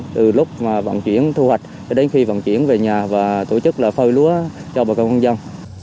từ lúc vận chuyển thu hoạch đến khi vận chuyển về nhà và tổ chức phơi lúa cho bà con dân